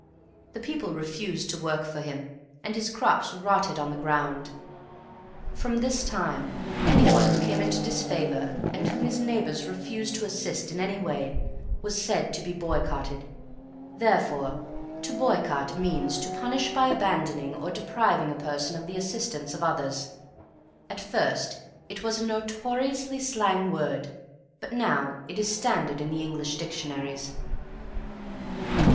The people refused to work for him, and his crops rotted on the ground. From this time any one who came into disfavor and whom his neighbors refused to assist in any way was said to be boycotted. Therefore to boycott means to punish by abandoning or depriving a person of the assistance of others. At first it was a notoriously slang word, but now it is standard in the English dictionaries.